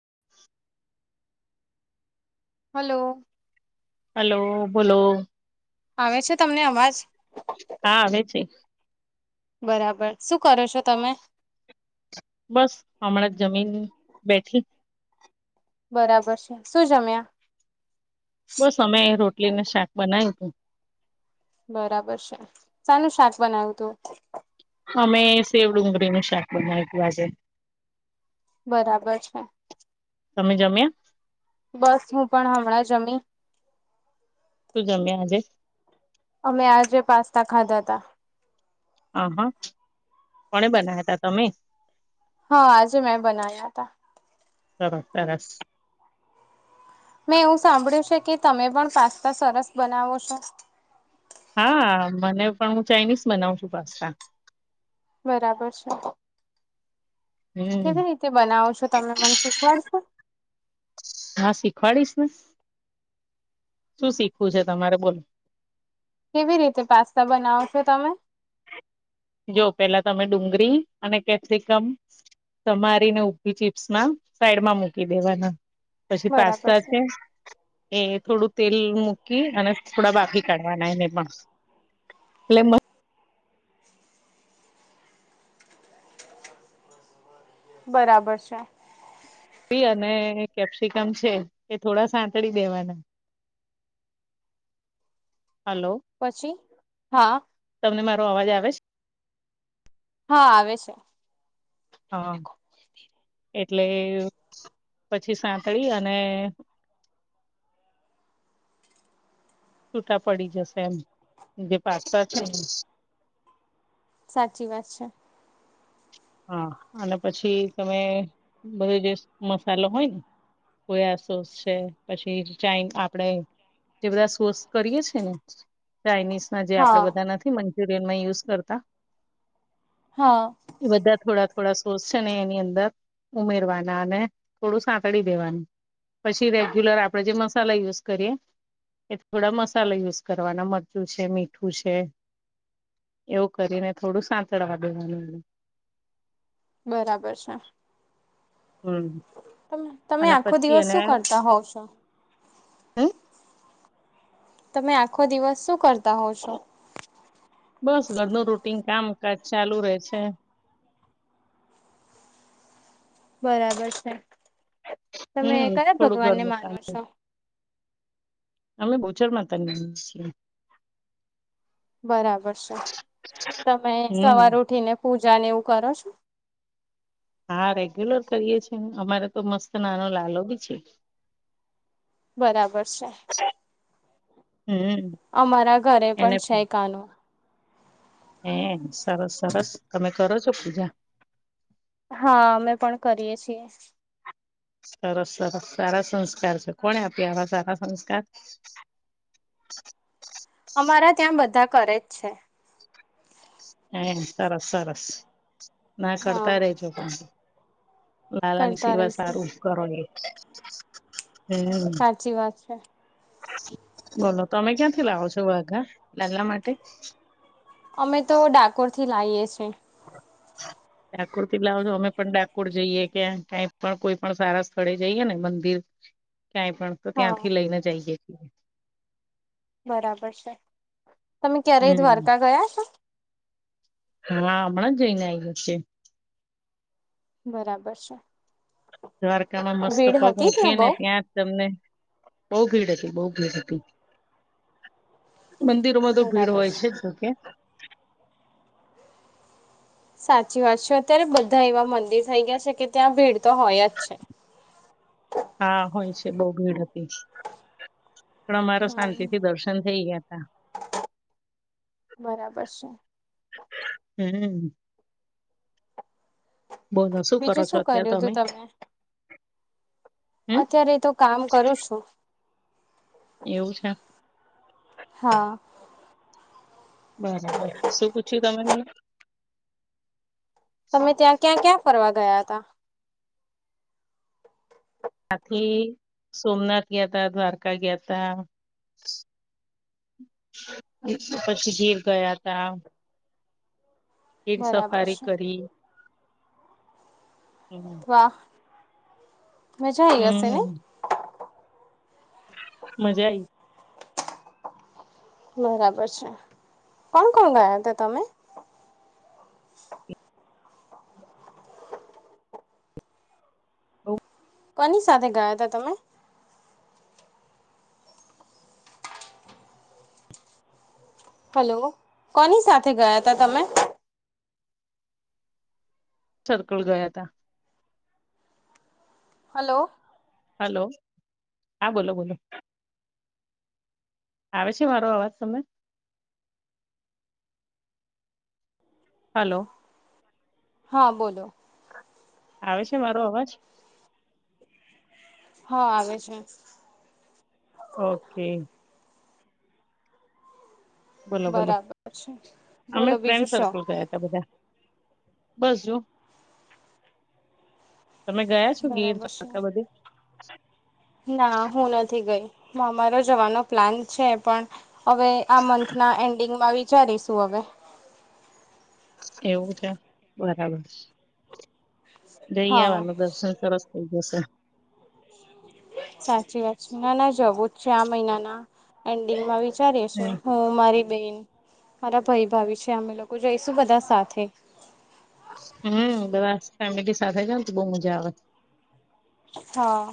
[unintelligible] Hello hello બોલો આવે છે તમને અવાજ હા આવે છે બરાબર શું કરો છો તમે બસ હમણાં જ જમીન બેઠી બરાબર છે શું જમ્યા બસ અમે એ રોટલીને શાક બનાય્યું તું બરાબર છે સાનુ શાક બનાવું તું અમે સેવડુંગળી નું શાક બનાય બાજે બરાબર છે તમે જમ્યા બસ હું પણ હમણાં જમી શું જમ્યા આજે અમે આજે પાસ્તા ખાધા તા આ હા કોને બનાવ તા તમે હા આજે મેં બના્યા હતા સરસ સરસ મેં એવું સાંભળ્યું છે કે તમે પણ પાસ્તા સરસ બનાવો છો હા મને પણ હું ચાઇનીઝ બનાવ છું પાસ્તા બરાબર છે હમ કેવી રીતે બનાવો છો તને મન શીખવાડશો હા શીખવાડીશ ને શું શીખવું છે તમારે બોલો કેવી રીતે પાસ્તા બનાવ છો તમે જો પેલા તમે ડુંગરીી અને કેપ્સિકમ સમારીને ઊભી ચીપ્સમાં સાઈડમાં મૂકી દેવાના પછી પાસ્તા છે એ થોડુંક તેલ મૂકી અને થોડા બાકી કાઢવાના એને પણ એટલે બરાબર છે અને કેપ્સિકમ છે એ થોડા સાંતળી દેવાના હલો પછી હા તમને મારો અવાજ આવે છે? હા, આવે છે. હા, એટલે પછી સાતળી અને [unintelligible] છૂટા પડી જશે એમ જે પાકતા છે, સાચી વાત છે. હા, અને પછી તમે બધો જે મસાલો હોય ને સોયા સોસ છે, પછી ચાઈ આપણે જે બધા શોસ કરીએ છે ને ચાઇનીઝના જે આપડે હા બધા નથી મંચુરિયનમાં યુઝ કરતા. હા. એ બધા થોડા થોડા સોસ છે ને એની અંદર ઉમેરવાના અને થોડું સાંકળી દેવાનું પછી રેગ્યુલર આપણેે જે મસાલા યુઝ કરીએ. એ થોડા મસાલા યુઝ કરવાના મરચું છે મીઠું છે. એવું કરીને થોડું સાંતડવા દેવાનું બરાબર છે. હમ્મ તમે અને આખો પછી દિવસ એને. શું કરતા હોવ છો હમ્મ. તમે આખો દિવસ શું કરતા. હોવ છો બસ ઘર ન રૂટીન કામ. કચ ચાલુ રહેે છે. બરાબર છે તમે હમ કયા થોડું ભગવાન ને ઘરનું કામ માનો છો? અમે બોચર માતાની માનીયે છીએ. બરાબર છે તમે હમ સવારે ઉઠીને પૂ જાને એવું કરો છો. હા, રેગ્યુલર કરીએ છીએને અમારે તો મસ્ત નાનો લાલો બી છે. બરાબર છે. હમ અમારા ઘરે એને પણ છે કાનો. હે સરસ સરસ તમે કરો છો પૂજા? હા, અમે પણ કરીએ છીએ. સરસ સરસ સારા સંસ્કાર છે કોને આપ્યા આવા સારા સંસ્કાર? [inaudible] અમારા ત્યાં બધા કરે જ છે. હે સરસ સરસ. ના હા કરતા રેજો પણ લાલાની કરતા સિવાય રહીશું સારું કરો એ. [unintelligible] સાચી વાત છે. બોલો તમે ક્યાંથી લાવો છો વાઘા લાલલા માટે. અમે તો ડાકોર થી લાઈએ છીએ. [unintelligible] ડાકોર થી લાવજો અમે પણ ડાકોર જઈએ ક્યાં કંઈ પણ કોઈ પણ સારા સ્થળે જઈએ ને મંદિર. [unintelligible] ક્યાંય પણ તો હા ત્યાંથી લઈને જ આયેયે. બરાબર છે તમે ક્યારેય હમ દ્વારકા ગયા છો. હા, હમણાં જોઈને આવએ છીએ. બરાબર છે. દ્વારકામાં મસ્ત ભીડ પગ હતી મૂકીએ બઉ ને ત્યાં જ તમને. બઉુ ભીડ હતી બઉુ ભીડ હતી. મંદિરોમાં તો ભીડ હોય છે જોકે. સાચી વાત છે અત્યારે બધા એવા મંદિર થઈ ગયા છે કે ત્યાં ભેડ. તો હોય યાદ છે. હા હોય બહુ ભીડ હતી પણ અમારા શાંતિથી દર્શન થઈ ગયા. હા. બરાબર છે. હમ બોલો શું કરો બીજું છો અત્યારે કર્યું હતું તમે. હમ અત્યારે તો કામ કરું છું. એવું છે. હા. બરાબર શું પૂછ્યું તમે મને. તમે ત્યાં ક્યાં ક્યાં ફરવા ગયા હતા. આથી સોમનાથ ગયા ત દ્વારકા ગયા ત. પછી જીર ગયા તા. એકેર બરાબર સફારી છે કરી. હમ. વાહ મજા ગશે ને. હમ, મજા આઈ. બરાબર છે કોણ કોણ ગયા હતા તમે [inaudible] હ કોની સાથે ગયા ત તમે હેલો કોની સાથે ગયા ત તમે સકલ ગયા ત હલો હલો હા બોલો બોલો આવે છે મારો અવાજ સમય હલો હા બોલો આવે છે મારો અવાજ હા આવે છે ઓકે બોલો બોલો બરાબર છે અમે બોલો બીજું ફ્રેન્ડ શું સર્કલ ગયા ત બધા બજુ બરાબર શું ના હું નથી ગઈ હ અમારો જવાનો પ્લાન છે પણ હવે આ મંથ ના એન્ડિંગમાં વિચારીશું હવે બે એવું છે બરાબર જઈ હા આવાનું દર્શન સરસ બસ સાચી વાત છે ના ના જવું જ છે આ મહિનાના એન્ડિંગમાં વિચારી હ હમ મારી બેન મારા ભાઈ ભાવી છે અમે લોકો જોઈશું બધા સાથે હમ બધા ફેમિલી સાથે જા તો બહ મજા આવે હા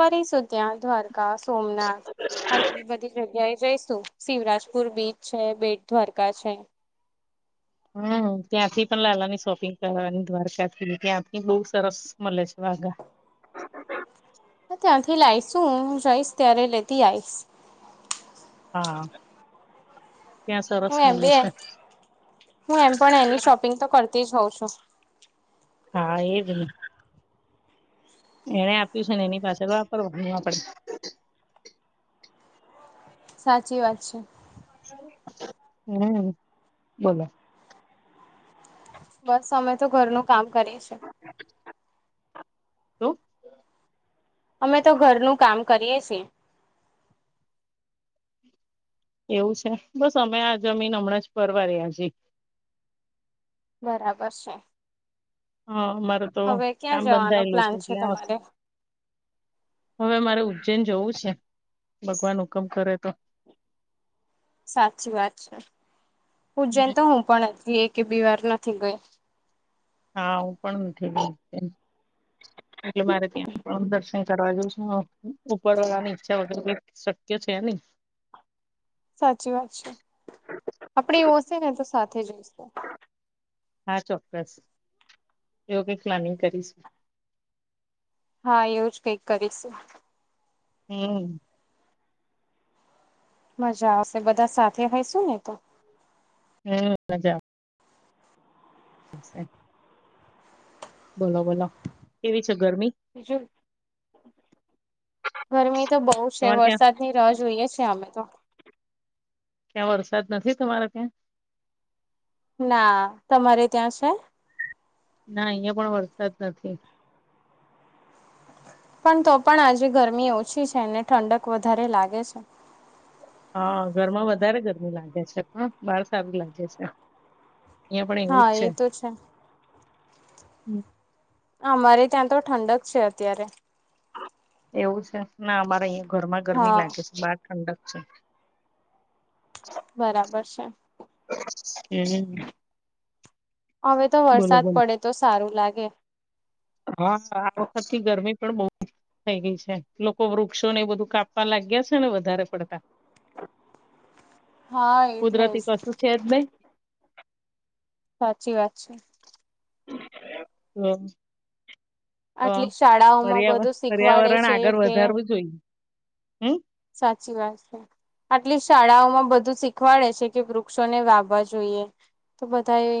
ફરીશું ત્યાં દ્વારકા સોમનાથ અને એવી બધી જગ્યાએ જઈશું શિવરાજપુર બીચ છે બેટ દ્વારકા છે હમ ત્યાંથી પણ લાલાની સોપી ની દ્વારકાથી ત્યાંથી બહ સરસ મળે છે વાઘા ત્યાંથી લઈશું હું જઈશ ત્યારે લેતી આઈશ હા ત્યાં સરસ હું એમ મળે બી એ, છે હું એમ પણ એની શોપિંગ તો કરતી જ હોઉં [unintelligible] હા, એજ ને. એને આપ્યું છે ને એની પાસે વાપરવાનું આપડે. સાચી વાત છે. હમ, બોલો. બસ અમે તો ઘરનું કામ કરીએ છીએ. શું? અમે તો ઘરનું કામ કરીએ છીએ. એવું છે. બસ અમે આ જમીન હમણાં જ પરવાર્યા અજી. બરાબર છે. હન, અમારે તો હવે ક્યાં આમ જવાનો બંધાયલું છે પ્લાન એટલે આવશે. તમારે હવે મારે ઉજ્જૈન જવું [unintelligible] ભગવાન હુકમ કરે તો. સાચી વાત છે. હમ ઉજ્જૈન તો હું પણ હતી એ કે બે વાર નથી ગઈ. હા, હું પણ નથી ગઈ એટલે મારે ત્યાં પણ દર્શન કરવા જવું છે. [unintelligible] ઉપરવાળાની ઈચ્છા વગર કઈક શક્ય એ છે ની. [inaudible] સાચી વાત છે. આપડે એવું હશે ને તો સાથે જઈશુ. હા, ચોક્કસ. એવું કઈક પ્લાનિંગ કરીશું. હા, એવું જ કઈક કરીશું. હમ. મજા આવશે. બધા સાથે હોય શું ને તો. હમ, મજા આવશે. બોલો, બોલો કેવી છે ગરમી પીજુલ. ગરમી તો બઉ છે, તમારે ત્યાં વરસાદની રાહ જોઈએ છીએ અમે તો. ત્યાં વરસાદ નથી તમારા ત્યાં? ના, તમારે ત્યાં છે? ના, અહિયા પણ વરસાદ નથી. પણ તો પણ આજે ગરમી ઓછી છે ને ઠંડક વધારે લાગે છે. હન, ઘરમાં વધારે ગરમી લાગે છે. પણ બાર સારું લાગે છે. અહિયાં પણ એવું હા, જ એ તો છે. હમ. અમારે ત્યાં તો ઠંડક છે અત્યારે. એવું છે. ના, અમારે અઈયા ઘરમાં ગરમી હા લાગે છે. બાર ઠંડક છે. બરાબર છે. હમ. હવે તો બોલો વરસાદ બોલો પડે તો સારું લાગે. હા, આ વખતની ગરમી પણ બઉ [unintelligible] થઈ ગઈ છે. લોકો વૃક્ષોને એવુ બધું કાપવા લાગ્યા છે ને વધારે પડતા. હા, એટલે કુદરતી જ. કશું છે જ નહી સાચી વાત છે. [unintelligible] તો આટલી શાળાઓમાં પર્યાવરણ બધું શીખવાડે પર્યાવરણ છે આગળ કે વધારવું જોઈએ હમ સાચી વાત છે. આટલી શાળાઓમાં બ બધું શીખવાડે છે કે વૃક્ષોને વાવા જોઈએ. તો બધાએ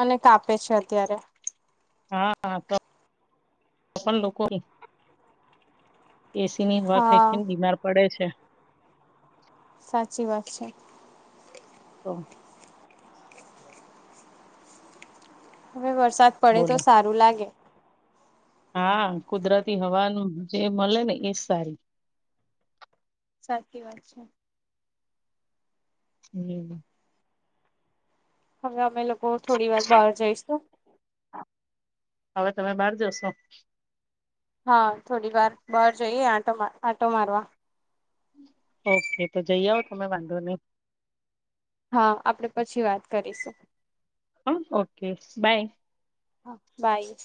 અને કાપે છે અત્યારે. હા હા તો પણ લોકો. એસી ની હા હોખઈને બીમાર પડે છે. સાચી વાત છે. તો. હવે વરસાદ પડે તો બોલો સારું લાગે. હા કુદરતી હવાન જે મળે ને એજ સારી. સાચી વાત છે. હમ. હવે અમે લોકો થોડી વાર બહાર જઈશ તો. હવે તમે બહાર જશો. હા થોડી વાર બહાર જઈએ આટો આંટો મારવા. ઓકે તો જઈ આવઓ તમે વાંધો નહી. હા આપણે પછી વાત કરીશું. હા ઓકે બાય. હા બાય.